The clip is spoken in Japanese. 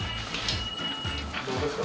どうですか？